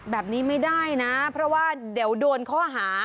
แบบนี้ไม่ได้นะเพราะว่าเดี๋ยวโดนข้อหา